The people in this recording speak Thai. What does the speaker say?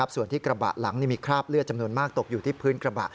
ส่วนที่กระบะหลังมีคราบเลือดจำนวนมากตกอยู่ที่พื้นกระบะ